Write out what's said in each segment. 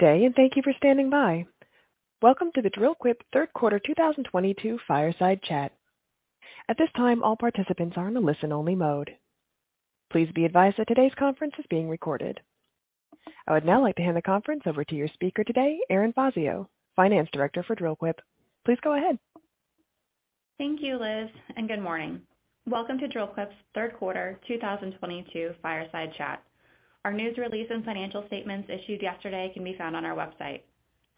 Good day, and thank you for standing by. Welcome to the Dril-Quip Third Quarter 2022 Fireside Chat. At this time, all participants are in a listen-only mode. Please be advised that today's conference is being recorded. I would now like to hand the conference over to your speaker today, Erin Fazio, Finance Director for Dril-Quip. Please go ahead. Thank you, Liz, and good morning. Welcome to Dril-Quip's Third Quarter 2022 Fireside Chat. Our news release and financial statements issued yesterday can be found on our website.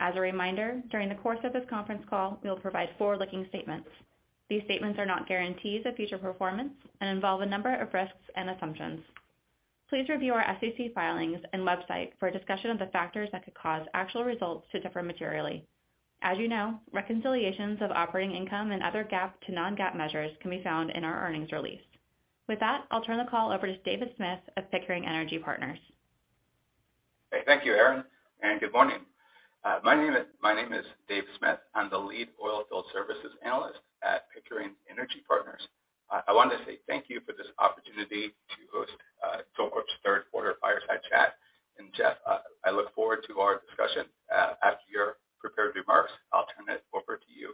As a reminder, during the course of this conference call, we'll provide forward-looking statements. These statements are not guarantees of future performance and involve a number of risks and assumptions. Please review our SEC filings and website for a discussion of the factors that could cause actual results to differ materially. As you know, reconciliations of operating income and other GAAP to non-GAAP measures can be found in our earnings release. With that, I'll turn the call over to David Smith of Pickering Energy Partners. Okay. Thank you, Erin, and good morning. My name is David Smith. I'm the lead oilfield services analyst at Pickering Energy Partners. I wanted to say thank you for this opportunity to host Dril-Quip's Third Quarter Fireside Chat. Jeff, I look forward to our discussion. After your prepared remarks, I'll turn it over to you.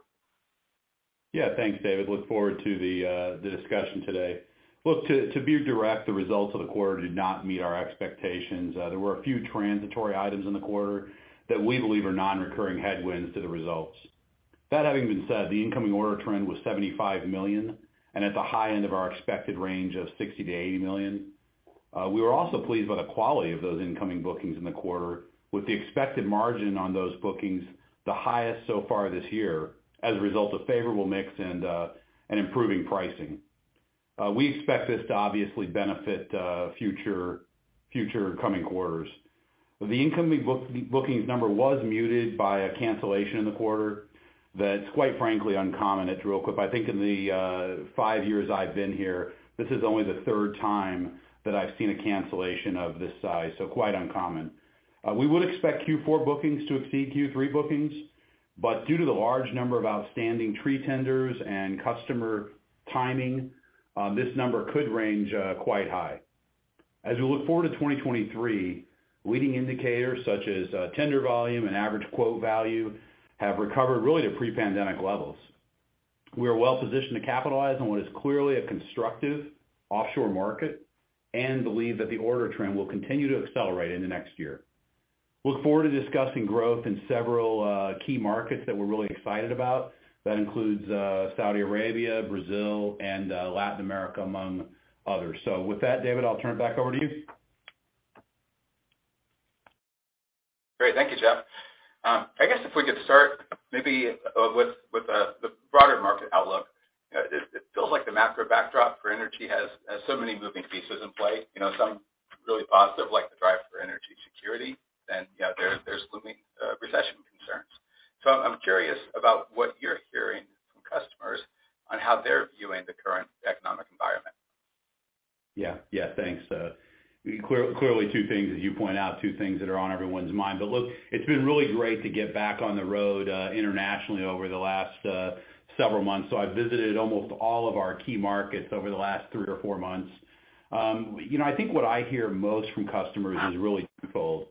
Yeah. Thanks, David. Look forward to the discussion today. Look, to be direct, the results of the quarter did not meet our expectations. There were a few transitory items in the quarter that we believe are non-recurring headwinds to the results. That having been said, the incoming order trend was $75 million, and at the high end of our expected range of $60 million-$80 million. We were also pleased by the quality of those incoming bookings in the quarter, with the expected margin on those bookings the highest so far this year as a result of favorable mix and improving pricing. We expect this to obviously benefit future coming quarters. The incoming bookings number was muted by a cancellation in the quarter that's quite frankly uncommon at Dril-Quip. I think in the five years I've been here, this is only the third time that I've seen a cancellation of this size, so quite uncommon. We would expect Q4 bookings to exceed Q3 bookings, but due to the large number of outstanding tree tenders and customer timing, this number could range quite high. As we look forward to 2023, leading indicators such as tender volume and average quote value have recovered really to pre-pandemic levels. We are well positioned to capitalize on what is clearly a constructive offshore market and believe that the order trend will continue to accelerate into next year. Look forward to discussing growth in several key markets that we're really excited about. That includes Saudi Arabia, Brazil, and Latin America, among others. With that, David, I'll turn it back over to you. Great. Thank you, Jeff. I guess if we could start maybe with the broader market outlook. It feels like the macro backdrop for energy has so many moving pieces in play. You know, some really positive, like the drive for energy security, then you know, there's looming recession concerns. I'm curious about what you're hearing from customers on how they're viewing the current economic environment. Yeah. Yeah. Thanks. Clearly two things, as you point out, two things that are on everyone's mind. Look, it's been really great to get back on the road internationally over the last several months. I visited almost all of our key markets over the last three or four months. You know, I think what I hear most from customers is really twofold.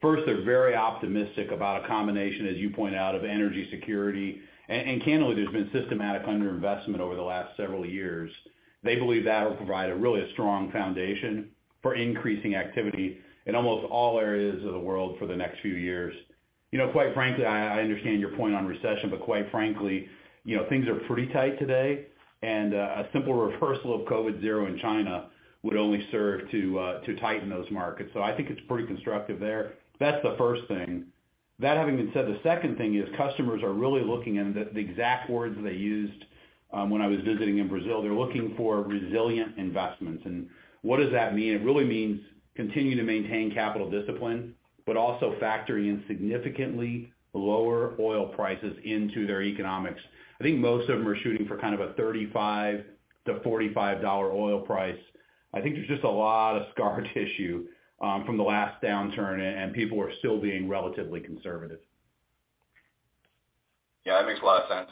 First, they're very optimistic about a combination, as you point out, of energy security. And candidly, there's been systematic underinvestment over the last several years. They believe that'll provide a really strong foundation for increasing activity in almost all areas of the world for the next few years. You know, quite frankly, I understand your point on recession, but quite frankly, you know, things are pretty tight today. A simple reversal of COVID-Zero in China would only serve to tighten those markets. I think it's pretty constructive there. That's the first thing. That having been said, the second thing is customers are really looking, and the exact words they used when I was visiting in Brazil, they're looking for resilient investments. What does that mean? It really means continuing to maintain capital discipline, but also factoring in significantly lower oil prices into their economics. I think most of them are shooting for kind of a $35-$45 oil price. I think there's just a lot of scar tissue from the last downturn, and people are still being relatively conservative. Yeah, that makes a lot of sense.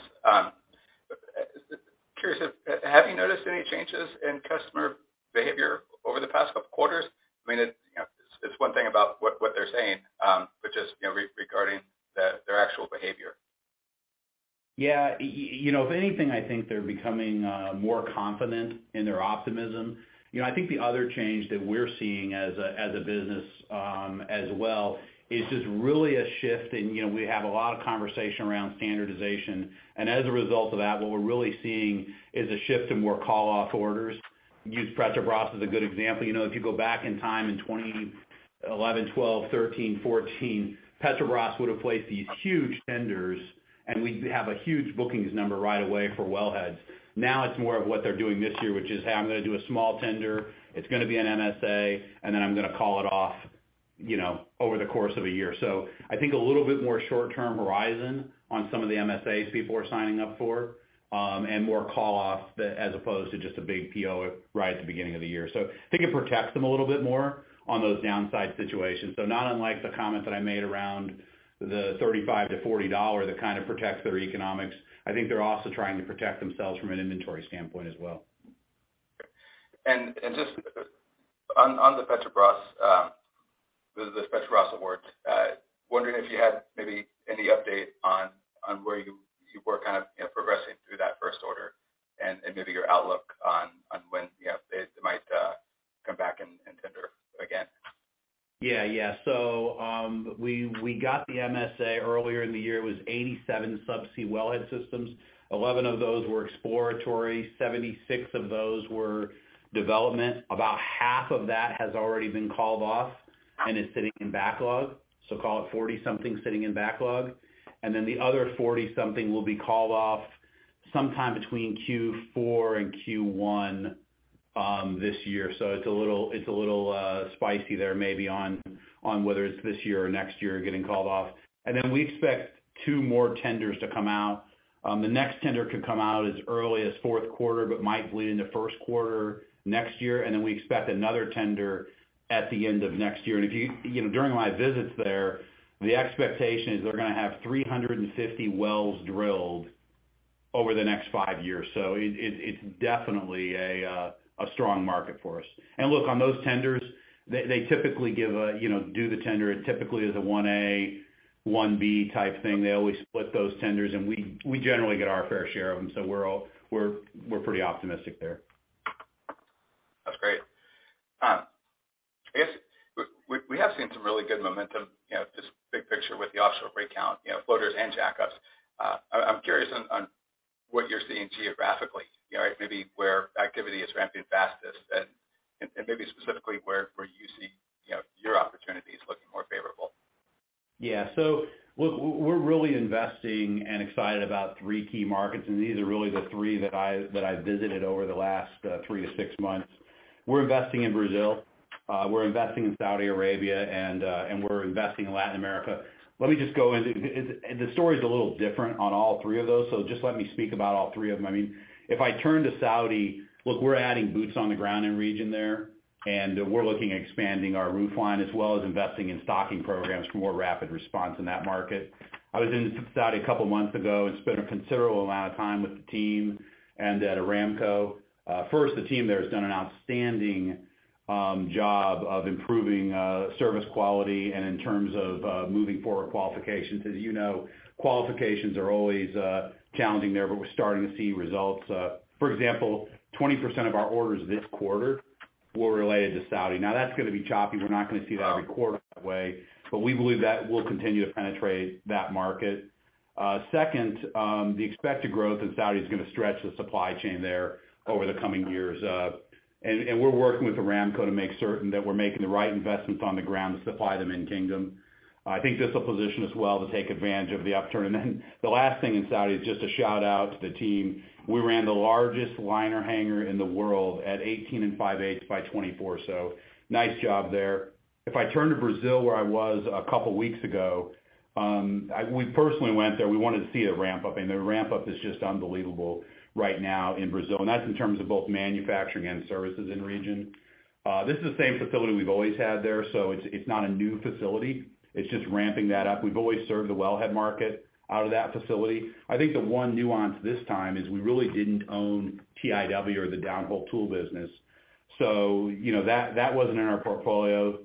Curious if you have noticed any changes in customer behavior over the past couple quarters? I mean, you know, it's one thing about what they're saying, but just, you know, regarding their actual behavior. Yeah. You know, if anything, I think they're becoming more confident in their optimism. You know, I think the other change that we're seeing as a business as well is just really a shift in, you know, we have a lot of conversation around standardization. As a result of that, what we're really seeing is a shift to more call-off orders. Use Petrobras as a good example. You know, if you go back in time in 2011, 2012, 2013, 2014, Petrobras would have placed these huge tenders, and we'd have a huge bookings number right away for well heads. Now it's more of what they're doing this year, which is, "Hey, I'm gonna do a small tender. It's gonna be an MSA, and then I'm gonna call it off, you know, over the course of a year." I think a little bit more short-term horizon on some of the MSAs people are signing up for, and more call-offs as opposed to just a big PO right at the beginning of the year. I think it protects them a little bit more on those downside situations. Not unlike the comment that I made around the $35-$40 that kind of protects their economics, I think they're also trying to protect themselves from an inventory standpoint as well. Just on the Petrobras, the Petrobras awards, wondering if you had maybe any update on where you were kind of, you know, progressing through that first order and maybe your outlook on when, you know, they might come back and tender again? We got the MSA earlier in the year. It was 87 subsea wellhead systems. 11 of those were exploratory, 76 of those were development. About half of that has already been called off and is sitting in backlog. Call it 40 something sitting in backlog. The other 40 something will be called off sometime between Q4 and Q1 this year. It's a little spicy there maybe on whether it's this year or next year getting called off. We expect two more tenders to come out. The next tender could come out as early as fourth quarter, but might bleed into first quarter next year. We expect another tender at the end of next year. If you know, during my visits there, the expectation is they're gonna have 350 wells drilled over the next five years. It is definitely a strong market for us. Look, on those tenders, they typically give a do the tender. It typically is a 1A, 1B type thing. They always split those tenders, and we generally get our fair share of them. We're pretty optimistic there. That's great. I guess we have seen some really good momentum, you know, just big picture with the offshore rig count, you know, floaters and jackups. I'm curious on what you're seeing geographically, you know, maybe where activity is ramping fastest and maybe specifically where you see, you know, your opportunities looking more favorable. Yeah. Look, we're really investing and excited about three key markets, and these are really the three that I visited over the last three to six months. We're investing in Brazil, we're investing in Saudi Arabia, and we're investing in Latin America. Let me just go into. The story's a little different on all three of those, so just let me speak about all three of them. I mean, if I turn to Saudi, look, we're adding boots on the ground in the region there, and we're looking at expanding our tool line as well as investing in stocking programs for more rapid response in that market. I was in Saudi a couple of months ago and spent a considerable amount of time with the team and at Aramco. First, the team there has done an outstanding job of improving service quality and in terms of moving forward qualifications. As you know, qualifications are always challenging there, but we're starting to see results. For example, 20% of our orders this quarter were related to Saudi. Now, that's gonna be choppy. We're not gonna see that every quarter that way, but we believe that we'll continue to penetrate that market. Second, the expected growth in Saudi is gonna stretch the supply chain there over the coming years. We're working with Aramco to make certain that we're making the right investments on the ground to supply them in kingdom. I think this will position us well to take advantage of the upturn. The last thing in Saudi is just a shout-out to the team. We ran the largest liner hanger in the world at 18 5/8 by 24, so nice job there. If I turn to Brazil, where I was a couple weeks ago, we personally went there. We wanted to see a ramp-up, and the ramp-up is just unbelievable right now in Brazil, and that's in terms of both manufacturing and services in region. This is the same facility we've always had there, so it's not a new facility. It's just ramping that up. We've always served the wellhead market out of that facility. I think the one nuance this time is we really didn't own TIW or the downhole tool business. So, you know, that wasn't in our portfolio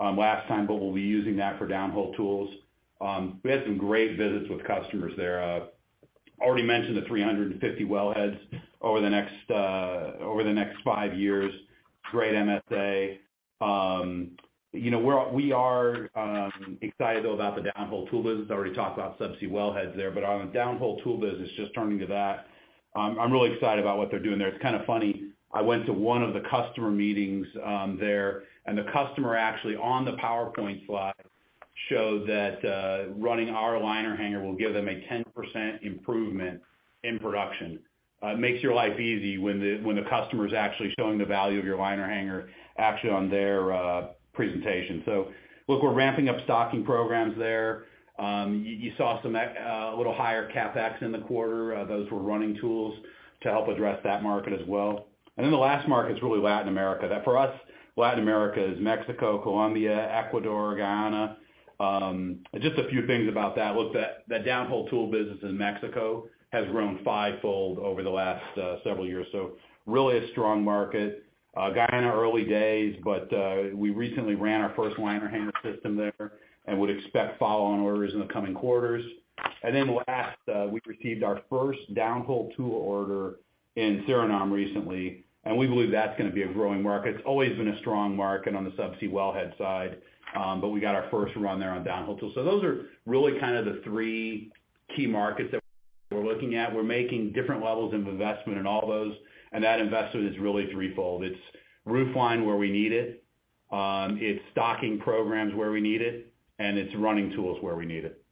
last time, but we'll be using that for downhole tools. We had some great visits with customers there. Already mentioned the 350 wellheads over the next five years. Great MSA. You know, we are excited, though, about the downhole tool business. I already talked about subsea wellheads there, but on the downhole tool business, just turning to that, I'm really excited about what they're doing there. It's kind of funny. I went to one of the customer meetings there, and the customer actually on the PowerPoint slide showed that running our liner hanger will give them a 10% improvement in production. It makes your life easy when the customer is actually showing the value of your liner hanger actually on their presentation. Look, we're ramping up stocking programs there. You saw some a little higher CapEx in the quarter. Those were running tools to help address that market as well. The last market is really Latin America. That for us, Latin America is Mexico, Colombia, Ecuador, Guyana. Just a few things about that. The downhole tool business in Mexico has grown fivefold over the last several years. So really a strong market. Guyana, early days, but we recently ran our first liner hanger system there and would expect follow-on orders in the coming quarters. Last, we received our first downhole tool order in Suriname recently, and we believe that's gonna be a growing market. It's always been a strong market on the subsea wellhead side, but we got our first run there on downhole tools. So those are really kind of the three key markets that we're looking at. We're making different levels of investment in all those, and that investment is really threefold. It's roof line where we need it's stocking programs where we need it, and it's running tools where we need it.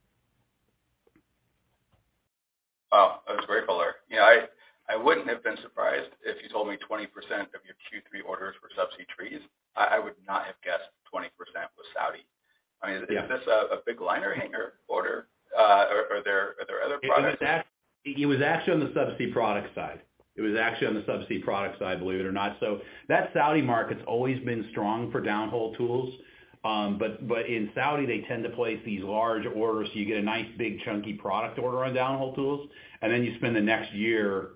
Wow. That was very full there. Yeah, I wouldn't have been surprised if you told me 20% of your Q3 orders were subsea trees. I would not have guessed 20% was Saudi. I mean. Yeah. Is this a big liner hanger order? Are there other products- It was actually on the subsea product side, believe it or not. That Saudi market's always been strong for downhole tools. But in Saudi, they tend to place these large orders, so you get a nice, big, chunky product order on downhole tools, and then you spend the next year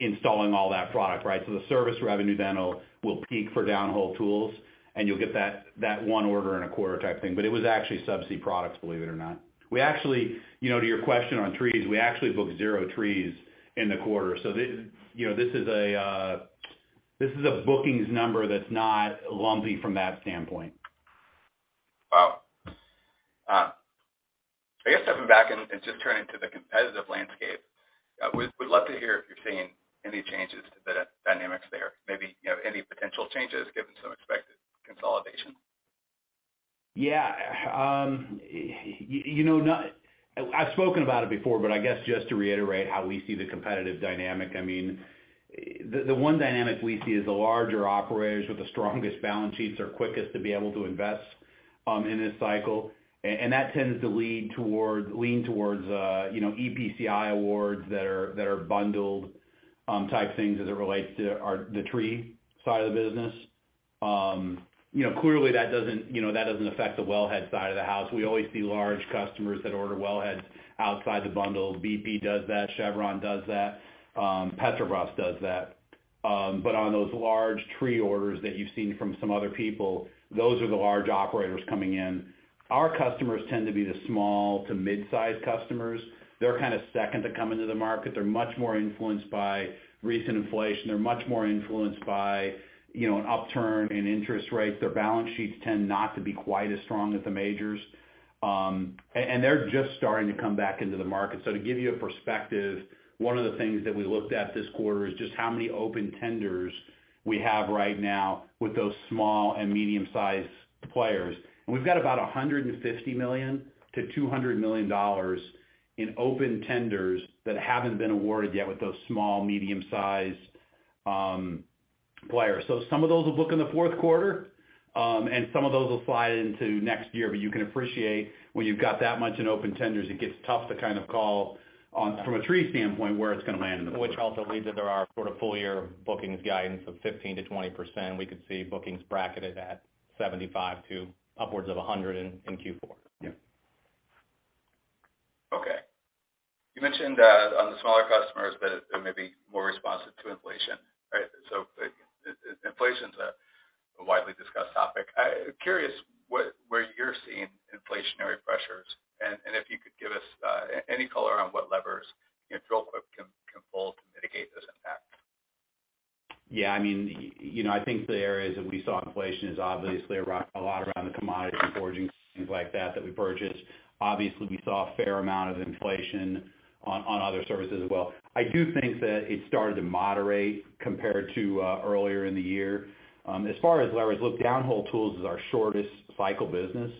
installing all that product, right? The service revenue then will peak for downhole tools and you'll get that one order in a quarter type thing. It was actually subsea products, believe it or not. We actually, to your question on trees, we actually booked zero trees in the quarter. This is a bookings number that's not lumpy from that standpoint. Wow. I guess stepping back and just turning to the competitive landscape, we'd love to hear if you're seeing any changes to the dynamics there. Maybe, you know, any potential changes given some expected consolidation. Yeah. I've spoken about it before, but I guess just to reiterate how we see the competitive dynamic. I mean, the one dynamic we see is the larger operators with the strongest balance sheets are quickest to be able to invest in this cycle. And that tends to lean towards EPCI awards that are bundled type things as it relates to the tree side of the business. You know, clearly that doesn't affect the wellhead side of the house. We always see large customers that order wellheads outside the bundle. BP does that, Chevron does that, Petrovietnam does that. But on those large tree orders that you've seen from some other people, those are the large operators coming in. Our customers tend to be the small to mid-size customers. They're kind of second to come into the market. They're much more influenced by recent inflation. They're much more influenced by, you know, an upturn in interest rates. Their balance sheets tend not to be quite as strong as the majors, and they're just starting to come back into the market. To give you a perspective, one of the things that we looked at this quarter is just how many open tenders we have right now with those small and medium-sized players. We've got about $150 million-$200 million in open tenders that haven't been awarded yet with those small, medium-sized players. Some of those will book in the fourth quarter, and some of those will slide into next year. You can appreciate when you've got that much in open tenders, it gets tough to kind of call on from a tree standpoint, where it's gonna land in the fourth quarter. Which also leads to there are sort of full year bookings guidance of 15%-20%. We could see bookings bracketed at 75 to upwards of 100 in Q4. Yeah. Okay. You mentioned on the smaller customers that are maybe more responsive to inflation, right? Inflation's a widely discussed topic. I'm curious where you're seeing inflationary pressures, and if you could give us any color on what levers, you know, Dril-Quip can pull to mitigate this impact. Yeah, I mean, you know, I think the areas that we saw inflation is obviously a lot around the commodity forging, things like that we purchased. Obviously, we saw a fair amount of inflation on other services as well. I do think that it started to moderate compared to earlier in the year. As far as levers, look, downhole tools is our shortest cycle business.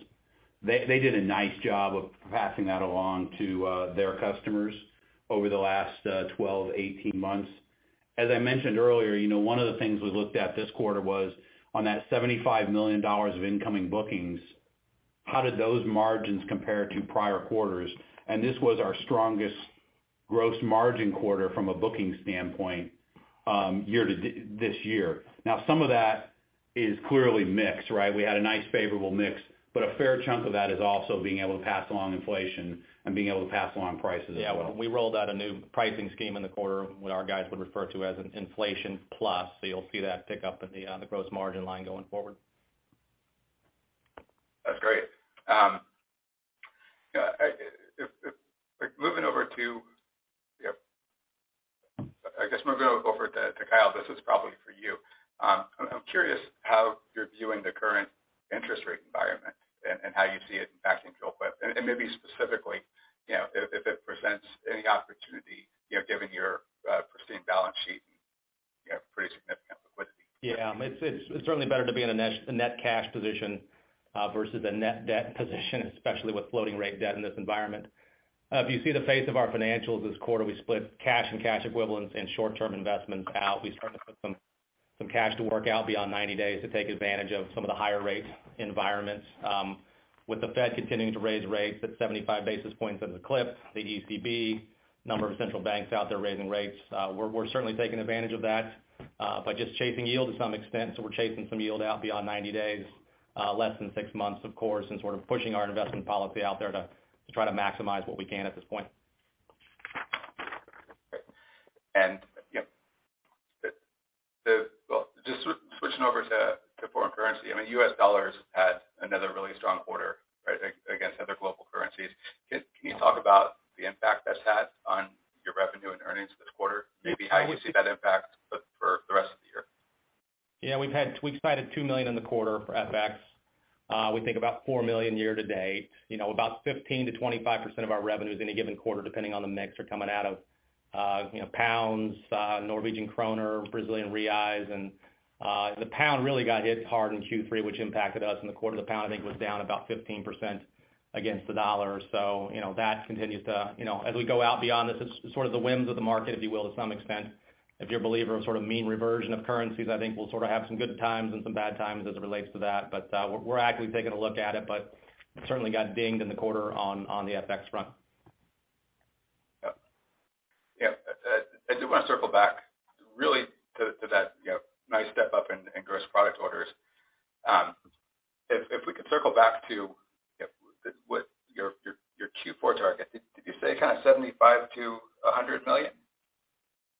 They did a nice job of passing that along to their customers over the last 12, 18 months. As I mentioned earlier, you know, one of the things we looked at this quarter was on that $75 million of incoming bookings, how did those margins compare to prior quarters? This was our strongest gross margin quarter from a booking standpoint this year. Now, some of that is clearly mixed, right? We had a nice favorable mix, but a fair chunk of that is also being able to pass along inflation and being able to pass along prices as well. Yeah. We rolled out a new pricing scheme in the quarter, what our guys would refer to as an inflation plus. You'll see that pick up in the gross margin line going forward. That's great. Moving over to. Yep. I guess I'm gonna go over to Kyle, this is probably for you. I'm curious how you're viewing the current interest rate environment and how you see it impacting Dril-Quip. Maybe specifically, you know, if it presents any opportunity, you know, given your pristine balance sheet and, you know, pretty significant liquidity. Yeah. It's certainly better to be in a net cash position vs a net debt position, especially with floating rate debt in this environment. If you see the face of our financials this quarter, we split cash and cash equivalents and short-term investments out. We started to put some cash to work out beyond 90 days to take advantage of some of the higher rate environments. With the Fed continuing to raise rates at 75 basis points at a clip, the ECB, a number of central banks out there raising rates, we're certainly taking advantage of that, by just chasing yield to some extent. We're chasing some yield out beyond 90 days, less than six months, of course, and sort of pushing our investment policy out there to try to maximize what we can at this point. Great. Yep. Well, just switching over to foreign currency. I mean, U.S. dollars had another really strong quarter, right, against other global currencies. Can you talk about the impact that's had on your revenue and earnings this quarter? Maybe how you see that impact for the rest of the year. Yeah. We've cited $2 million in the quarter for FX. We think about $4 million year to date. You know, about 15%-25% of our revenue is any given quarter, depending on the mix, are coming out of, you know, pounds, Norwegian kroner, Brazilian reais. The pound really got hit hard in Q3, which impacted us in the quarter. The pound, I think, was down about 15% against the dollar. You know, that continues to, you know, as we go out beyond this, it's sort of the whims of the market, if you will, to some extent. If you're a believer of sort of mean reversion of currencies, I think we'll sort of have some good times and some bad times as it relates to that. We're actively taking a look at it, but it certainly got dinged in the quarter on the FX front. Yep. I do want to circle back really to that, you know, nice step up in gross product orders. If we could circle back to that. Did you say kind of $75-$100 million?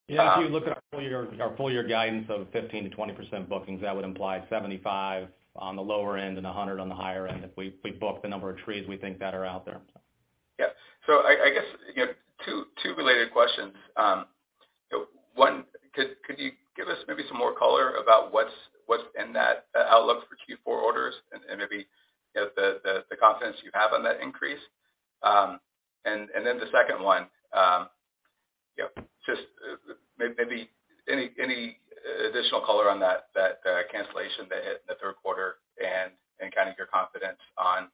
Yeah. If you look at our full year, our full year guidance of 15%-20% bookings, that would imply $75 on the lower end and $100 on the higher end if we book the number of trees we think that are out there. Yeah. I guess, you know, two related questions. One, could you give us maybe some more color about what's in that outlook for Q4 orders and maybe, you know, the confidence you have on that increase? The second one, you know, just maybe any additional color on that cancellation that hit in the third quarter and kind of your confidence on,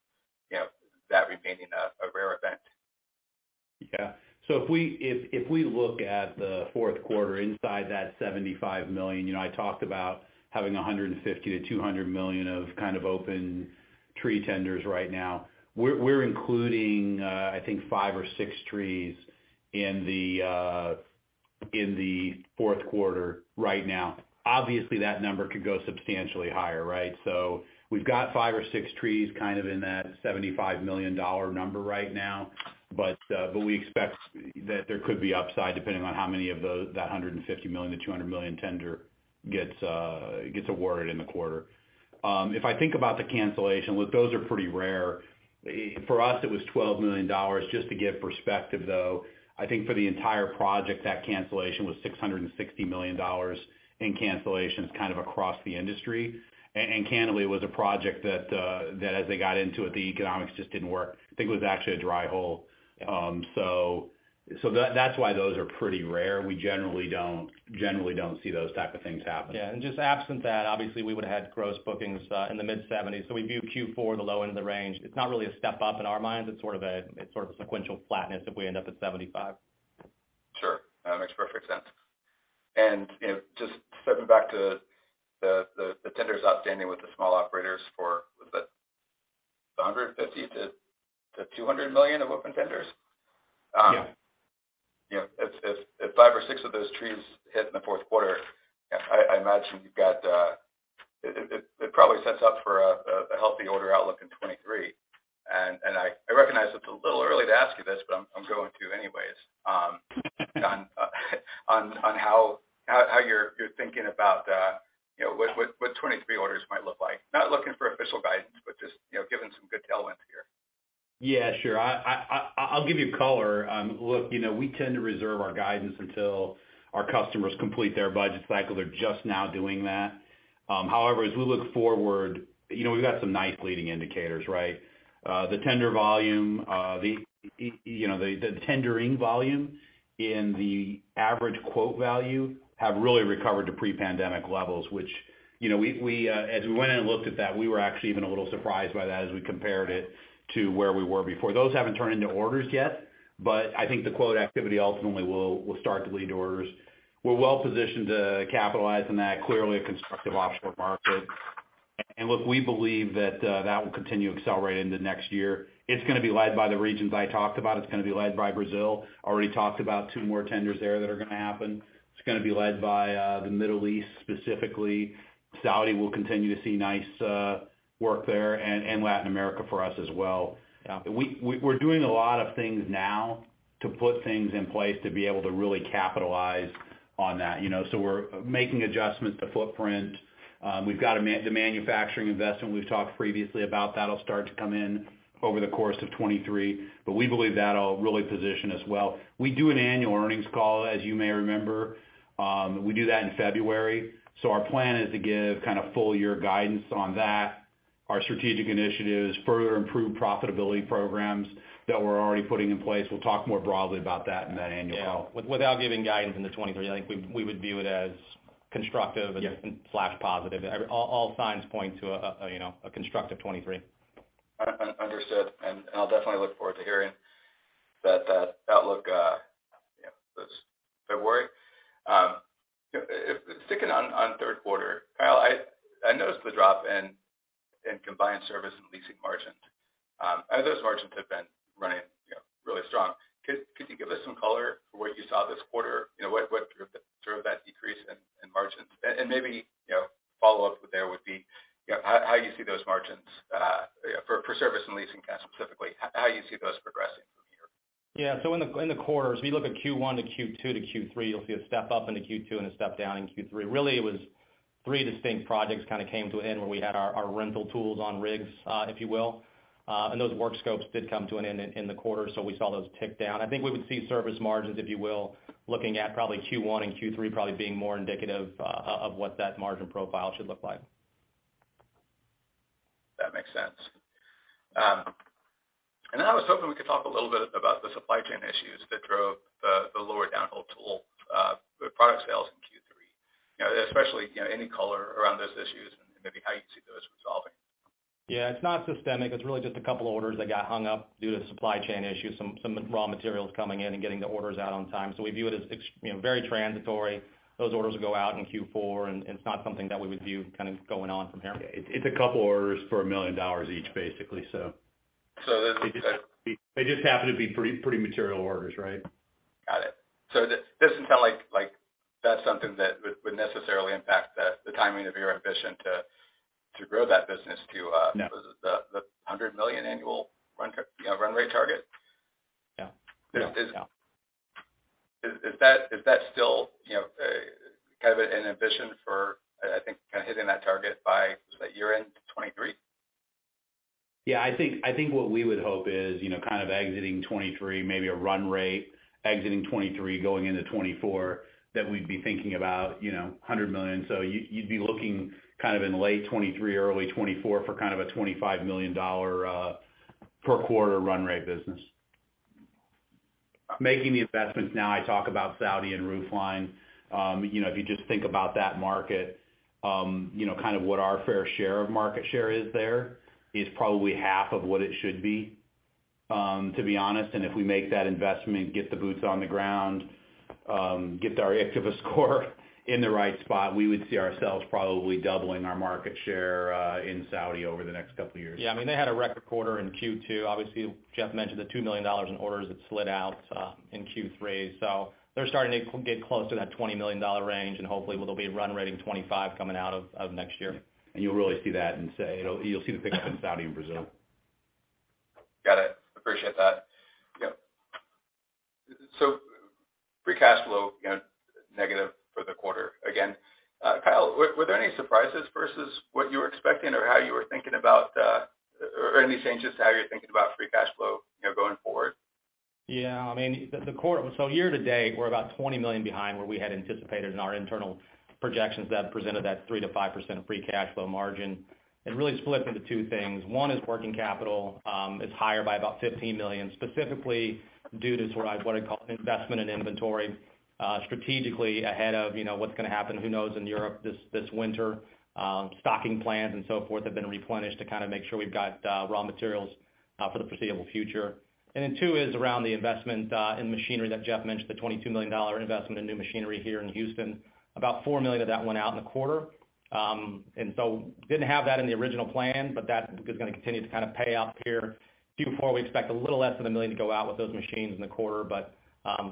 you know, that remaining a rare event. If we look at the fourth quarter inside that $75 million, you know, I talked about having $150 million-$200 million of kind of open tree tenders right now. We're including, I think 5 or 6 trees in the fourth quarter right now. Obviously, that number could go substantially higher, right? We've got 5 or 6 trees kind of in that $75 million number right now. We expect that there could be upside depending on how many of those, that $150 million-$200 million tender gets awarded in the quarter. If I think about the cancellation, look, those are pretty rare. For us, it was $12 million. Just to give perspective, though, I think for the entire project, that cancellation was $660 million in cancellations kind of across the industry. Candidly, it was a project that as they got into it, the economics just didn't work. I think it was actually a dry hole. So that's why those are pretty rare. We generally don't see those type of things happen. Just absent that, obviously, we would've had gross bookings in the mid-70s. We view Q4, the low end of the range. It's not really a step up in our minds. It's sort of a sequential flatness if we end up at 75. Sure. That makes perfect sense. You know, just stepping back to the tenders outstanding with the small operators for, was it $150 million-$200 million of open tenders? Yeah. You know, if five or six of those trees hit in the fourth quarter, I imagine you've got it probably sets up for a healthy order outlook in 2023. I recognize it's a little early to ask you this, but I'm going to anyways on how you're thinking about, you know, what 2023 orders might look like. Not looking for official guidance, but just, you know, given some good tailwind here. Yeah, sure. I’ll give you color. Look, you know, we tend to reserve our guidance until our customers complete their budget cycle. They’re just now doing that. However, as we look forward, you know, we’ve got some nice leading indicators, right? The tender volume, the, you know, the tendering volume and the average quote value have really recovered to pre-pandemic levels, which, you know, we, as we went in and looked at that, we were actually even a little surprised by that as we compared it to where we were before. Those haven’t turned into orders yet, but I think the quote activity ultimately will start to lead to orders. We’re well positioned to capitalize on that. Clearly, a constructive offshore market. Look, we believe that that will continue to accelerate into next year. It's gonna be led by the regions I talked about. It's gonna be led by Brazil. Already talked about two more tenders there that are gonna happen. It's gonna be led by the Middle East specifically. Saudi will continue to see nice work there, and Latin America for us as well. Yeah. We're doing a lot of things now to put things in place to be able to really capitalize on that, you know. We're making adjustments to footprint. We've got the manufacturing investment we've talked previously about. That'll start to come in over the course of 2023. We believe that'll really position us well. We do an annual earnings call, as you may remember. We do that in February. Our plan is to give kind of full year guidance on that. Our strategic initiatives, further improved profitability programs that we're already putting in place. We'll talk more broadly about that in that annual call. Yeah. Without giving guidance into 2023, I think we would view it as constructive. Yeah... and slash positive. All signs point to a, you know, constructive 2023. Understood. I'll definitely look forward to hearing that outlook this February. Sticking on third quarter. Kyle, I noticed the drop in combined service and leasing margins. Those margins have been running really strong. Could you give us some color for what you saw this quarter? What drove that decrease in margins? Maybe follow up there would be how you see those margins for service and leasing, Kyle, specifically, how you see those progressing from here. In the quarters, we look at Q1 to Q2 to Q3, you'll see a step up into Q2 and a step down in Q3. Really, it was three distinct projects kinda came to an end where we had our rental tools on rigs, if you will. Those work scopes did come to an end in the quarter, so we saw those tick down. I think we would see service margins, if you will, looking at probably Q1 and Q3 being more indicative of what that margin profile should look like. That makes sense. I was hoping we could talk a little bit about the supply chain issues that drove the lower downhole tool product sales in Q3. You know, especially, you know, any color around those issues and maybe how you see those resolving. Yeah. It's not systemic. It's really just a couple orders that got hung up due to supply chain issues, some raw materials coming in and getting the orders out on time. We view it as, you know, very transitory. Those orders will go out in Q4, and it's not something that we would view kind of going on from here. It's a couple orders for $1 million each, basically. So that's- They just happen to be pretty material orders, right? Got it. It doesn't sound like that's something that would necessarily impact the timing of your ambition to grow that business to, Yeah the $100 million annual run rate target. Yeah. Yeah. Is, is- Yeah. Is that still, you know, kind of an ambition for, I think kind of hitting that target by, is that year-end 2023? I think what we would hope is, you know, kind of exiting 2023, maybe a run rate exiting 2023, going into 2024, that we'd be thinking about, you know, 100 million. You'd be looking kind of in late 2023, early 2024 for kind of a $25 million per quarter run rate business. Making the investments now, I talk about Saudi and roofline. You know, if you just think about that market, you know, kind of what our fair share of market share is there, is probably half of what it should be, to be honest. If we make that investment, get the boots on the ground, get our IKTVA score in the right spot, we would see ourselves probably doubling our market share in Saudi over the next couple years. Yeah. I mean, they had a record quarter in Q2. Obviously, Jeff mentioned the $2 million in orders that slid out in Q3. They're starting to get close to that $20 million range, and hopefully we'll be run rating 25 coming out of next year. You'll really see that in, say, you'll see the pickup in Saudi and Brazil. Got it. Appreciate that. Yep. Free cash flow, you know, negative for the quarter again. Kyle, were there any surprises vs what you were expecting or how you were thinking about, or any changes to how you're thinking about free cash flow, you know, going forward? Yeah. I mean, the quarter. Year to date, we're about $20 million behind where we had anticipated in our internal projections that presented that 3%-5% free cash flow margin. It really split into two things. One is working capital is higher by about $15 million, specifically due to sort of what I'd call investment in inventory, strategically ahead of, you know, what's gonna happen, who knows, in Europe this winter. Stocking plans and so forth have been replenished to kind of make sure we've got raw materials for the foreseeable future. Then two is around the investment in machinery that Jeff mentioned, the $22 million investment in new machinery here in Houston. About $4 million of that went out in the quarter. Didn't have that in the original plan, but that is gonna continue to kind of pay out here. Q4, we expect a little less than $1 million to go out with those machines in the quarter.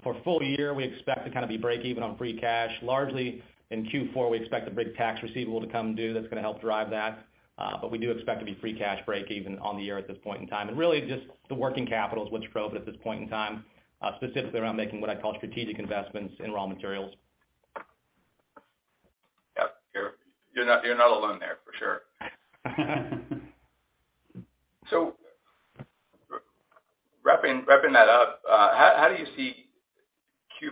For full year, we expect to kind of be break even on free cash. Largely in Q4, we expect a big tax receivable to come due. That's gonna help drive that. We do expect to be free cash break even on the year at this point in time. Really just the working capital is what's drove it at this point in time, specifically around making what I'd call strategic investments in raw materials. Yeah. You're not alone there, for sure. Wrapping that up, how do you see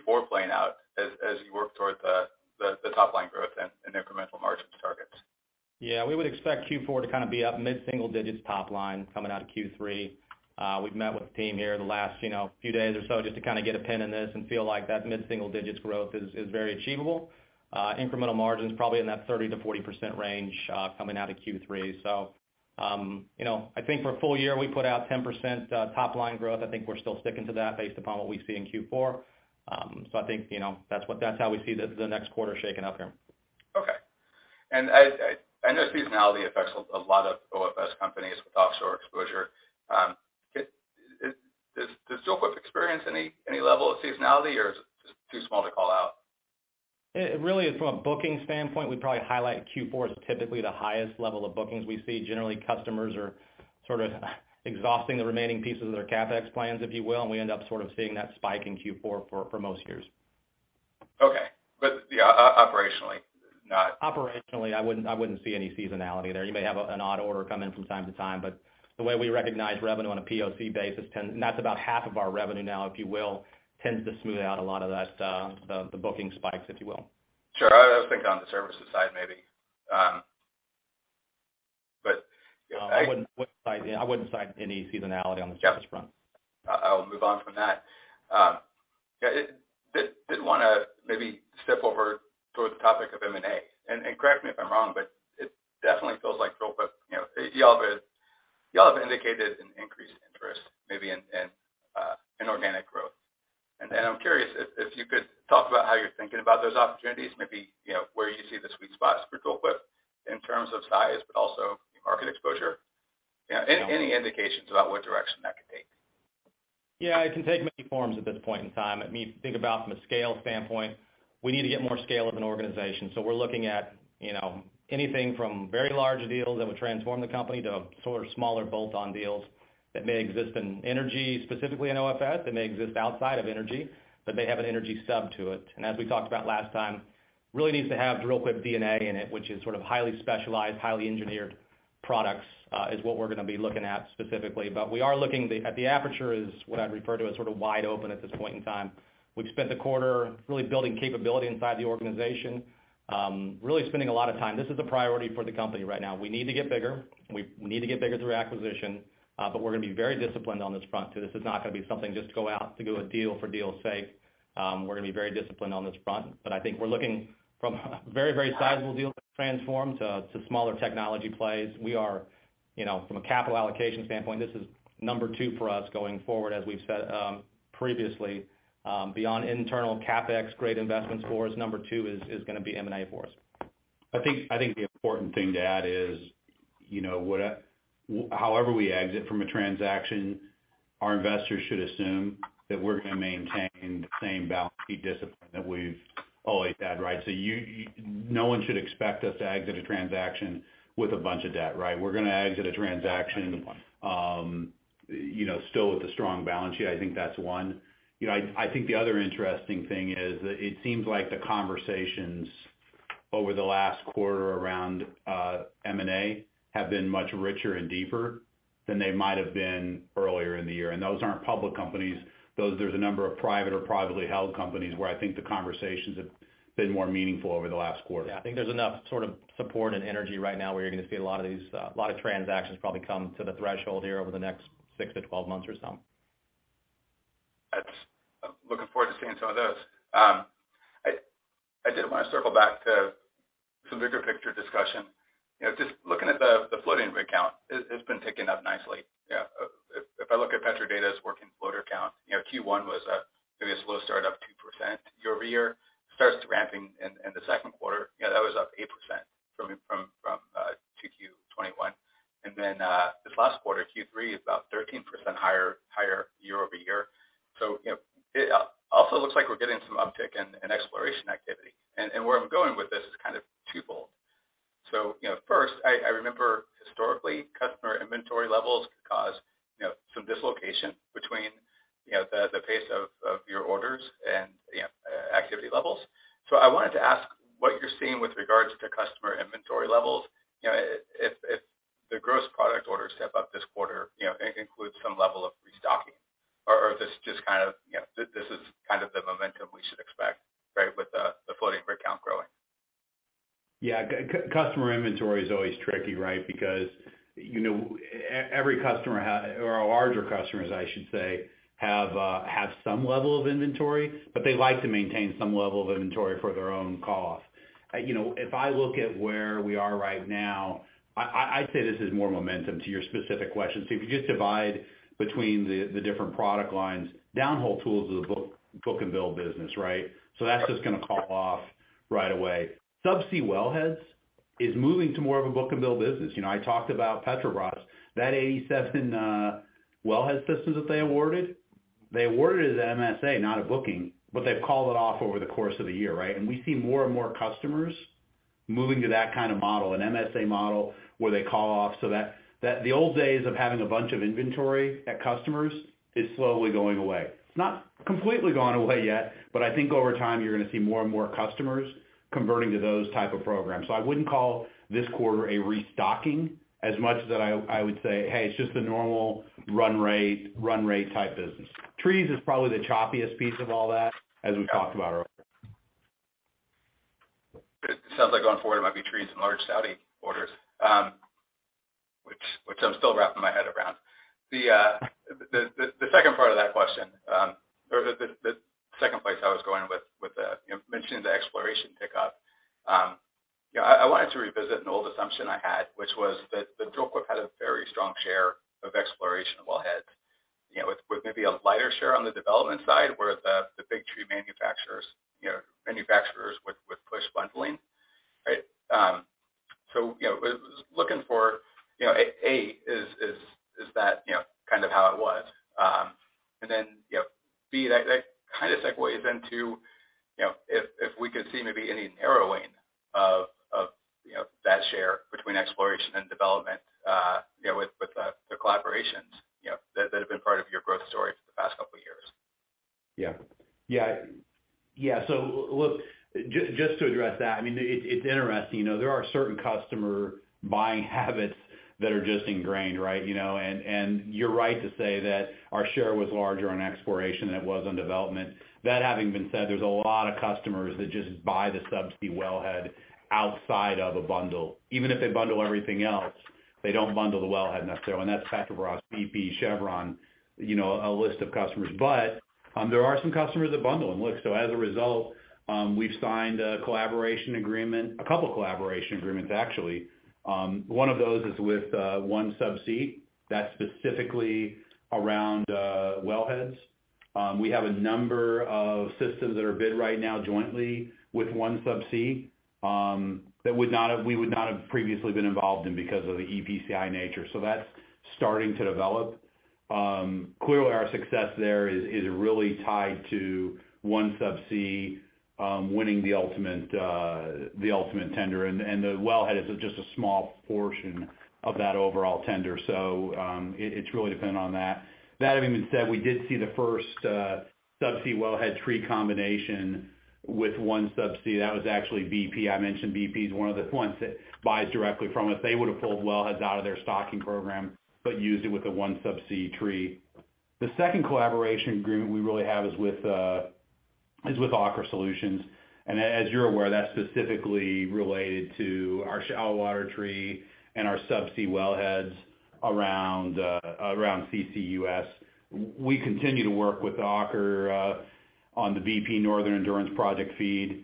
Q4 playing out as you work toward the top line growth and incremental margins targets? Yeah. We would expect Q4 to kind of be up mid-single digits top line coming out of Q3. We've met with the team here the last, you know, few days or so just to kind of get a pin in this and feel like that mid-single digits growth is very achievable. Incremental margins probably in that 30%-40% range, coming out of Q3. You know, I think for full year, we put out 10%, top line growth. I think we're still sticking to that based upon what we see in Q4. I think, you know, that's how we see the next quarter shaking up here. Okay. I know seasonality affects a lot of OFS companies with offshore exposure. Does Dril-Quip experience any level of seasonality, or is it just too small to call out? It really is from a booking standpoint, we probably highlight Q4 as typically the highest level of bookings we see. Generally, customers are sort of exhausting the remaining pieces of their CapEx plans, if you will, and we end up sort of seeing that spike in Q4 for most years. Okay. Yeah, operationally. Operationally, I wouldn't see any seasonality there. You may have an odd order come in from time to time, but the way we recognize revenue on a POC basis tends, and that's about half of our revenue now, if you will, tends to smooth out a lot of that, the booking spikes, if you will. Sure. I was thinking on the services side maybe, but you know, No, I wouldn't cite any seasonality on the service front. Yeah. I'll move on from that. Yeah, did wanna maybe step over toward the topic of M&A. Correct me if I'm wrong, but it definitely feels like Dril-Quip, you know, y'all have indicated an increased interest maybe in organic growth. I'm curious if you could talk about how you're thinking about those opportunities, maybe, you know, where you see the sweet spots for Dril-Quip in terms of size, but also market exposure. You know, any indications about what direction that could take. Yeah. It can take many forms at this point in time. I mean, think about from a scale standpoint, we need to get more scale of an organization. We're looking at, you know, anything from very large deals that would transform the company to sort of smaller bolt-on deals that may exist in energy, specifically in OFS, that may exist outside of energy, but may have an energy sub to it. As we talked about last time, really needs to have Dril-Quip DNA in it, which is sort of highly specialized, highly engineered products, is what we're gonna be looking at specifically. We are looking at the aperture is what I'd refer to as sort of wide open at this point in time. We've spent the quarter really building capability inside the organization, really spending a lot of time. This is the priority for the company right now. We need to get bigger. We need to get bigger through acquisition, but we're gonna be very disciplined on this front too. This is not gonna be something just to go out to do a deal for deal's sake. We're gonna be very disciplined on this front, but I think we're looking from very, very sizable deals that transform to smaller technology plays. We are, you know, from a capital allocation standpoint, this is number two for us going forward, as we've said, previously. Beyond internal CapEx, great investments for us, number two is gonna be M&A for us. I think the important thing to add is, you know, however we exit from a transaction. Our investors should assume that we're gonna maintain the same balance sheet discipline that we've always had, right? No one should expect us to exit a transaction with a bunch of debt, right? We're gonna exit a transaction. Under the point. You know, still with a strong balance sheet. I think that's one. You know, I think the other interesting thing is that it seems like the conversations over the last quarter around M&A have been much richer and deeper than they might have been earlier in the year. Those aren't public companies. There's a number of private or privately held companies where I think the conversations have been more meaningful over the last quarter. Yeah. I think there's enough sort of support and energy right now where you're gonna see a lot of these transactions probably come to the threshold here over the next six to 12 months or so. Looking forward to seeing some of those. I did wanna circle back to some bigger picture discussion. You know, just looking at the floating rig count, it's been picking up nicely. Yeah. If I look at Petrodata's working floater count, you know, Q1 was maybe a slow start, up 2% year-over-year. Starts ramping in the second quarter. You know, that was up 8% from 2Q 2021. This last quarter, Q3, is about 13% higher year-over-year. You know, it also looks like we're getting some uptick in exploration activity. Where I'm going with this is kind of twofold. You know, first, I remember historically, customer inventory levels could cause, you know, some dislocation between, you know, the pace of your orders and, you know, activity levels. I wanted to ask what you're seeing with regards to customer inventory levels. You know, if the gross product orders step up this quarter, you know, it includes some level of restocking, or if it's just kind of, you know, this is kind of the momentum we should expect, right? With the floating rig count growing. Yeah. Customer inventory is always tricky, right? Because, you know, every customer has or our larger customers, I should say, have some level of inventory, but they like to maintain some level of inventory for their own cost. You know, if I look at where we are right now, I'd say this is more momentum to your specific question. If you just divide between the different product lines, downhole tools is a book-and-bill business, right? That's just gonna call off right away. Subsea wellheads is moving to more of a book-and-bill business. You know, I talked about Petrobras. That 87 wellhead systems that they awarded, they awarded as an MSA, not a booking, but they've called it off over the course of the year, right? We see more and more customers moving to that kind of model, an MSA model where they call off so that the old days of having a bunch of inventory at customers is slowly going away. It's not completely gone away yet, but I think over time, you're gonna see more and more customers converting to those type of programs. I wouldn't call this quarter a restocking as much as that I would say, "Hey, it's just a normal run rate type business." Trees is probably the choppiest piece of all that as we talked about earlier. It sounds like going forward it might be trees and large Saudi orders, which I'm still wrapping my head around. The second part of that question, or the second place I was going with the, you know, mentioning the exploration pickup, you know, I wanted to revisit an old assumption I had, which was that the Dril-Quip had a very strong share of exploration wellheads, you know, with maybe a lighter share on the development side, where the big tree manufacturers, you know, manufacturers with push bundling, right? I was looking for, you know, A, is that kind of how it was, and then, you know, B, that kind of segues into, you know, if we could see maybe any narrowing of that share between exploration and development, you know, with the collaborations, you know, that have been part of your growth story for the past couple years. Yeah. Just to address that, I mean, it's interesting, you know, there are certain customer buying habits that are just ingrained, right? You know, and you're right to say that our share was larger on exploration than it was on development. That having been said, there's a lot of customers that just buy the subsea wellhead outside of a bundle. Even if they bundle everything else, they don't bundle the wellhead necessarily, and that's Petrobras, BP, Chevron, you know, a list of customers. But there are some customers that bundle and look, so as a result, we've signed a collaboration agreement, a couple collaboration agreements actually. One of those is with OneSubsea, that's specifically around wellheads. We have a number of systems that are bid right now jointly with OneSubsea that we would not have previously been involved in because of the EPCI nature. That's starting to develop. Clearly our success there is really tied to OneSubsea winning the ultimate tender. The wellhead is just a small portion of that overall tender. It's really dependent on that. That having been said, we did see the first subsea wellhead tree combination with OneSubsea. That was actually BP. I mentioned BP is one of the clients that buys directly from us. They would've pulled wellheads out of their stocking program, but used it with a OneSubsea tree. The second collaboration agreement we really have is with Aker Solutions. As you're aware, that's specifically related to our shallow water tree and our subsea wellheads around CCUS. We continue to work with Aker on the BP Northern Endurance Project FEED.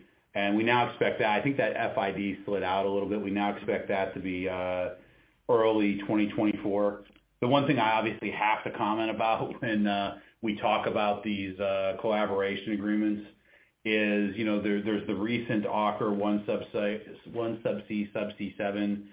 We now expect that. I think that FID slid out a little bit. We now expect that to be early 2024. The one thing I obviously have to comment about when we talk about these collaboration agreements is, you know, there's the recent Aker, OneSubsea, Subsea 7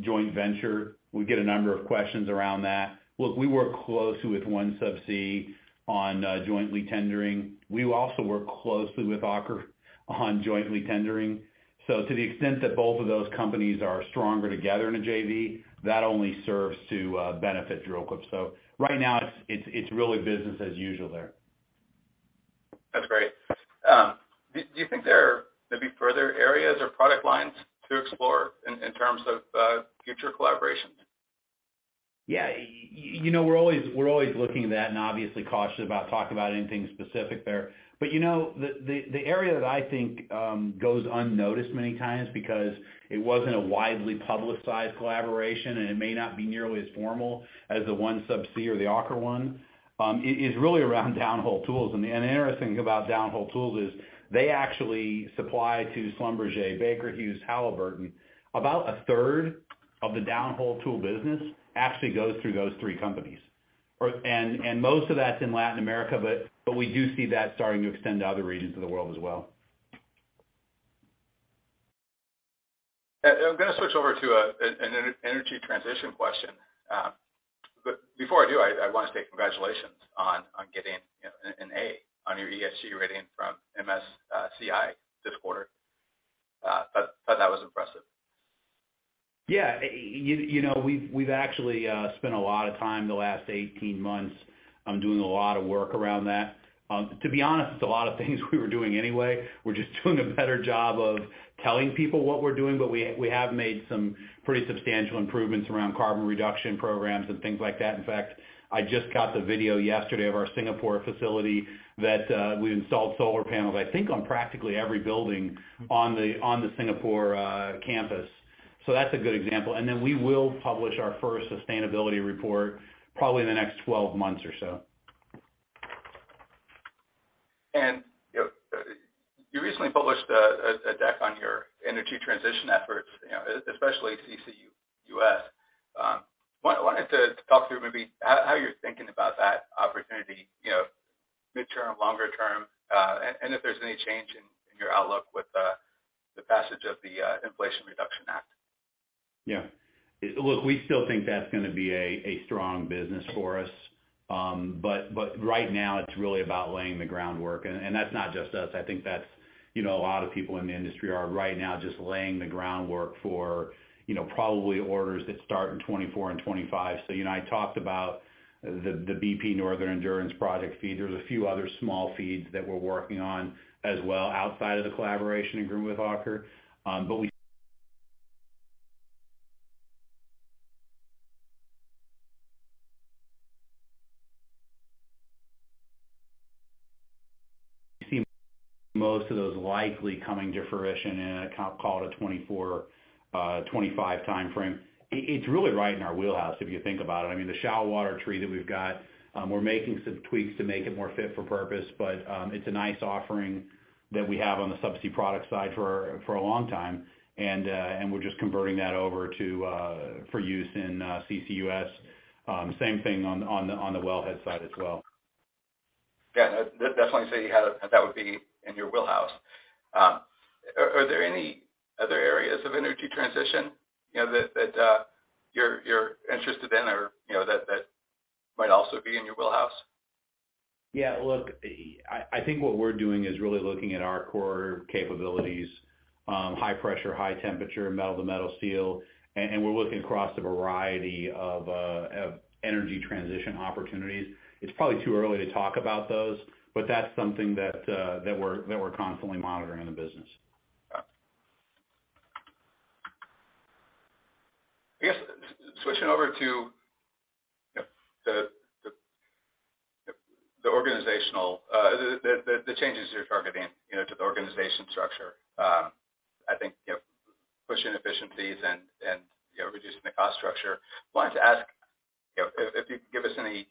joint venture. We get a number of questions around that. Look, we work closely with OneSubsea on jointly tendering. We also work closely with Aker on jointly tendering. So to the extent that both of those companies are stronger together in a JV, that only serves to benefit Dril-Quip. So right now it's really business as usual there. That's great. Do you think there may be further areas or product lines to explore in terms of future collaboration? Yeah. You know, we're always looking at that and obviously cautious about talking about anything specific there. You know, the area that I think goes unnoticed many times because it wasn't a widely publicized collaboration, and it may not be nearly as formal as the OneSubsea or the Aker one, it is really around downhole tools. The interesting about downhole tools is they actually supply to Schlumberger, Baker Hughes, Halliburton. About 1/3 of the downhole tool business actually goes through those three companies. Most of that's in Latin America, but we do see that starting to extend to other regions of the world as well. I'm gonna switch over to an energy transition question. Before I do, I wanna say congratulations on getting an A on your ESG rating from MSCI this quarter. Thought that was impressive. Yeah. You know, we've actually spent a lot of time the last 18 months on doing a lot of work around that. To be honest, it's a lot of things we were doing anyway. We're just doing a better job of telling people what we're doing, but we have made some pretty substantial improvements around carbon reduction programs and things like that. In fact, I just got the video yesterday of our Singapore facility that we installed solar panels, I think, on practically every building on the Singapore campus. So that's a good example. Then we will publish our first sustainability report probably in the next 12 months or so. You know, you recently published a deck on your energy transition efforts, you know, especially CCUS. Wanted to talk through maybe how you're thinking about that opportunity, you know, midterm, longer term, and if there's any change in your outlook with the passage of the Inflation Reduction Act. Yeah. Look, we still think that's gonna be a strong business for us. Right now it's really about laying the groundwork. That's not just us. I think that's, you know, a lot of people in the industry are right now just laying the groundwork for, you know, probably orders that start in 2024 and 2025. You know, I talked about the BP Northern Endurance Partnership project FEED. There's a few other small FEEDs that we're working on as well outside of the collaboration agreement with Aker Solutions. We see most of those likely coming to fruition in a calendar 2024, 2025 timeframe. It's really right in our wheelhouse if you think about it. I mean, the shallow water tree that we've got, we're making some tweaks to make it more fit for purpose, but it's a nice offering that we have on the subsea product side for a long time. We're just converting that over to for use in CCUS. Same thing on the wellhead side as well. Yeah. Definitely that would be in your wheelhouse. Are there any other areas of energy transition, you know, that you're interested in or, you know, that might also be in your wheelhouse? Yeah. Look, I think what we're doing is really looking at our core capabilities, high pressure, high temperature, metal to metal seal, and we're looking across a variety of of energy transition opportunities. It's probably too early to talk about those, but that's something that we're constantly monitoring in the business. Got it. I guess switching over to, you know, the organizational changes you're targeting, you know, to the organization structure. I think, you know, pushing efficiencies and, you know, reducing the cost structure. Wanted to ask if you could give us any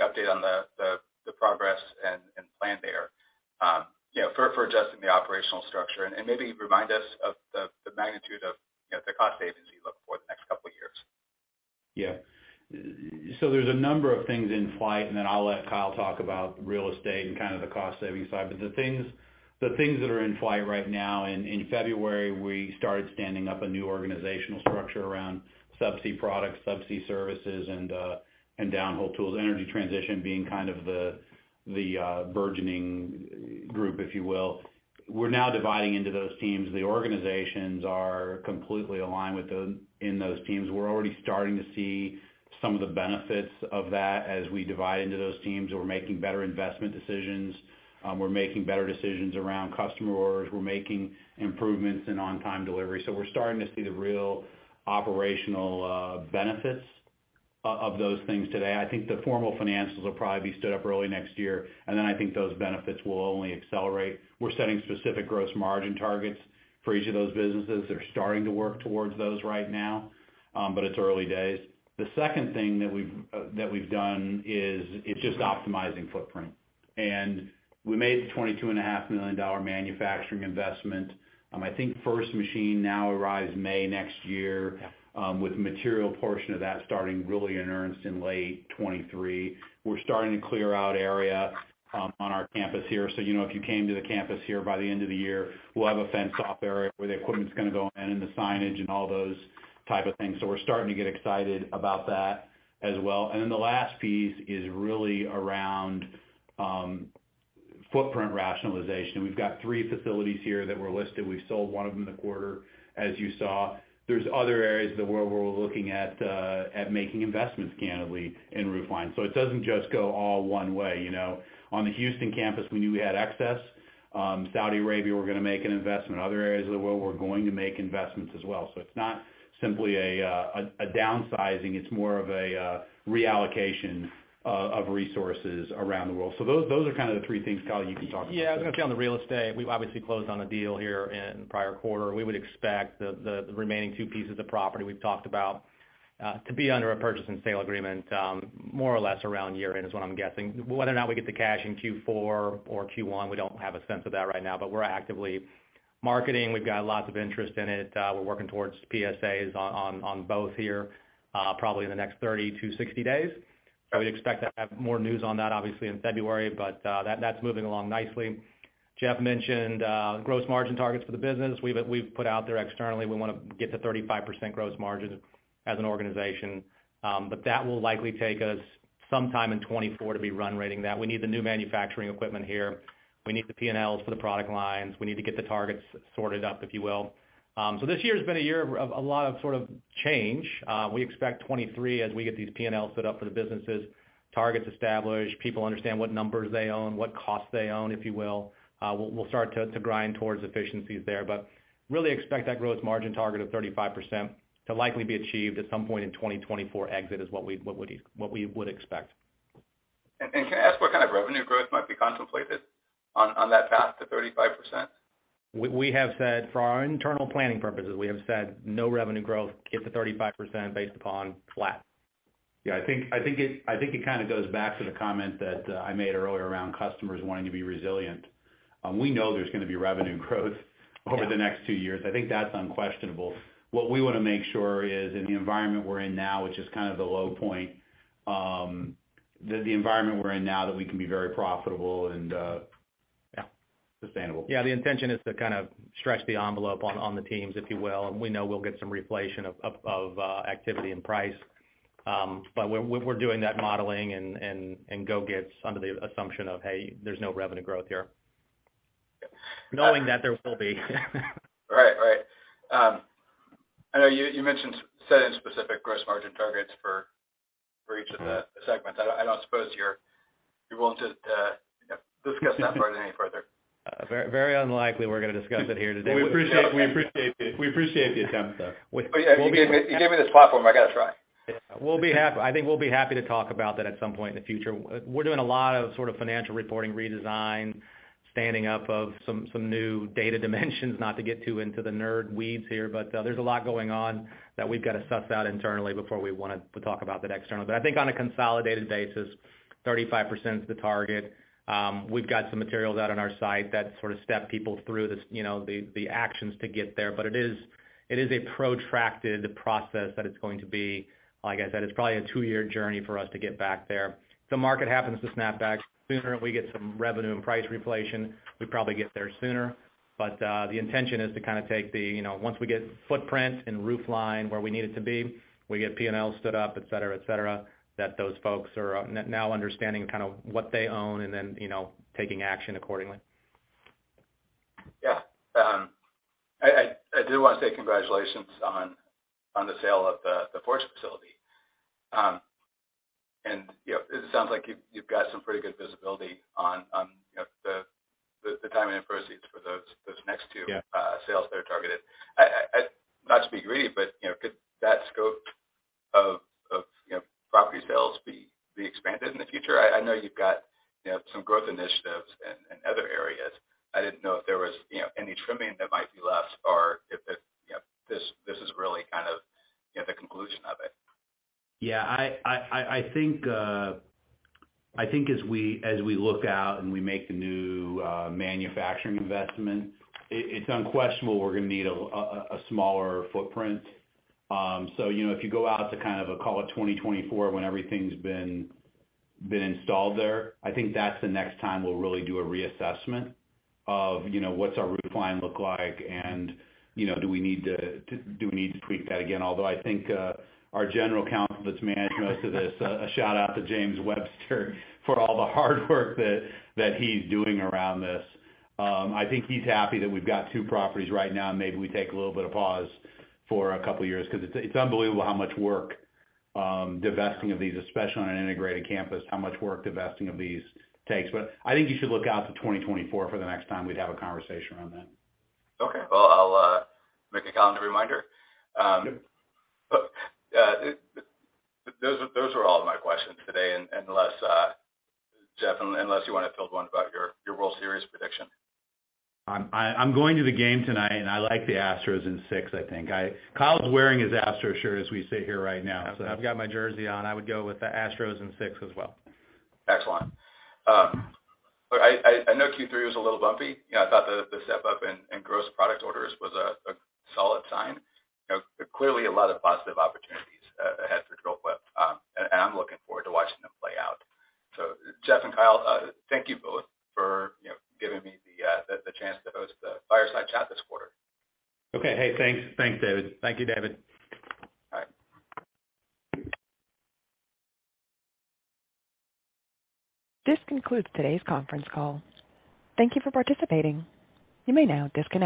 update on the progress and plan there, you know, for adjusting the operational structure. Maybe remind us of the magnitude of, you know, the cost savings you look for the next couple of years. Yeah. There's a number of things in flight, and then I'll let Kyle talk about real estate and kind of the cost-saving side. The things that are in flight right now, in February, we started standing up a new organizational structure around subsea products, subsea services, and downhole tools. Energy transition being kind of the burgeoning group, if you will. We're now dividing into those teams. The organizations are completely aligned in those teams. We're already starting to see some of the benefits of that as we divide into those teams. We're making better investment decisions. We're making better decisions around customer orders. We're making improvements in on-time delivery. We're starting to see the real operational benefits of those things today. I think the formal financials will probably be stood up early next year, and then I think those benefits will only accelerate. We're setting specific gross margin targets for each of those businesses. They're starting to work towards those right now, but it's early days. The second thing that we've done is just optimizing footprint. We made the $22,500,000 manufacturing investment. I think first machine now arrives May next year, with material portion of that starting really in earnest in late 2023. We're starting to clear out area, on our campus here. You know, if you came to the campus here by the end of the year, we'll have a fenced off area where the equipment's gonna go in and the signage and all those type of things. We're starting to get excited about that as well. Then the last piece is really around footprint rationalization. We've got three facilities here that were listed. We sold one of them in the quarter, as you saw. There's other areas of the world where we're looking at making investments candidly in new line. It doesn't just go all one way, you know. On the Houston Campus, we knew we had excess. Saudi Arabia, we're gonna make an investment. Other areas of the world, we're going to make investments as well. It's not simply a downsizing, it's more of a reallocation of resources around the world. Those are kind of the three things, Kyle, you can talk about. Yeah. I was gonna say on the real estate, we obviously closed on a deal here in prior quarter. We would expect the remaining two pieces of property we've talked about to be under a purchase and sale agreement, more or less around year-end is what I'm guessing. Whether or not we get the cash in Q4 or Q1, we don't have a sense of that right now, but we're actively marketing. We've got lots of interest in it. We're working towards PSAs on both here, probably in the next 30-60 days. I would expect to have more news on that obviously in February, but that's moving along nicely. Jeff mentioned gross margin targets for the business. We've put out there externally, we wanna get to 35% gross margins as an organization, but that will likely take us some time in 2024 to be run-rating that. We need the new manufacturing equipment here. We need the P&Ls for the product lines. We need to get the targets sorted out, if you will. This year has been a year of a lot of sort of change. We expect 2023 as we get these P&Ls set up for the businesses, targets established, people understand what numbers they own, what costs they own, if you will, we'll start to grind towards efficiencies there. Really expect that gross margin target of 35% to likely be achieved at some point in 2024 exit, is what we would expect. Can I ask what kind of revenue growth might be contemplated on that path to 35%? We have said for our internal planning purposes no revenue growth get to 35% based upon flat. Yeah, I think it kind of goes back to the comment that I made earlier around customers wanting to be resilient. We know there's gonna be revenue growth over the next two years. I think that's unquestionable. What we wanna make sure is in the environment we're in now, which is kind of the low point, the environment we're in now that we can be very profitable and, yeah, sustainable. Yeah. The intention is to kind of stretch the envelope on the teams, if you will, and we know we'll get some reflation of activity and price. But we're doing that modeling and it goes under the assumption of, hey, there's no revenue growth here. Knowing that there will be. Right. I know you mentioned setting specific gross margin targets for each of the segments. I don't suppose you're willing to, you know, discuss that part any further. Very, very unlikely we're gonna discuss it here today. We appreciate the attempt, though. You gave me this platform, I gotta try. I think we'll be happy to talk about that at some point in the future. We're doing a lot of sort of financial reporting redesign, standing up of some new data dimensions, not to get too into the nerd weeds here, but there's a lot going on that we've got to suss out internally before we wanna talk about that externally. I think on a consolidated basis, 35% is the target. We've got some materials out on our site that sort of step people through this, you know, the actions to get there. It is a protracted process that it's going to be. Like I said, it's probably a two-year journey for us to get back there. If the market happens to snap back sooner and we get some revenue and price reflation, we probably get there sooner. The intention is to kind of take the, you know, once we get footprint and roofline where we need it to be, we get P&L stood up, et cetera, et cetera, that those folks are now understanding kind of what they own and then, you know, taking action accordingly. Yeah. I do wanna say congratulations on the sale of the Forbes facility. You know, it sounds like you've got some pretty good visibility on, you know, the timing and proceeds for those next two- Yeah sales that are targeted. I not to be greedy, but, you know, could that scope of, you know, property sales be expanded in the future? I know you've got, you know, some growth initiatives in other areas. I didn't know if there was, you know, any trimming that might be left or if, you know, this is really kind of, you know, the conclusion of it. I think as we look out and we make the new manufacturing investment, it's unquestionable we're gonna need a smaller footprint. So, you know, if you go out to kind of call it 2024 when everything's been installed there, I think that's the next time we'll really do a reassessment of, you know, what's our roofline look like and, you know, do we need to tweak that again? Although I think our General Counsel that's managing most of this, a shout-out to James Webster for all the hard work that he's doing around this. I think he's happy that we've got two properties right now and maybe we take a little bit of pause for a couple years, 'cause it's unbelievable how much work divesting of these takes, especially on an integrated campus. I think you should look out to 2024 for the next time we'd have a conversation around that. Okay. Well, I'll make a calendar reminder. Those were all my questions today, unless, Jeff, unless you wanna field one about your World Series prediction. I'm going to the game tonight and I like the Astros in six, I think. Kyle's wearing his Astros shirt as we sit here right now. I've got my jersey on. I would go with the Astros in six as well. Excellent. Look, I know Q3 was a little bumpy. You know, I thought the step up in gross product orders was a solid sign. You know, clearly a lot of positive opportunities ahead for Dril-Quip, and I'm looking forward to watching them play out. Jeff and Kyle, thank you both for you know giving me the chance to host the fireside chat this quarter. Okay. Hey, thanks. Thanks, David. Thank you, David. All right. This concludes today's conference call. Thank you for participating. You may now disconnect.